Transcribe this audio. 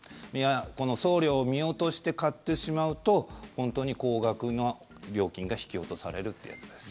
この送料を見落として買ってしまうと本当に高額な料金が引き落とされるってやつです。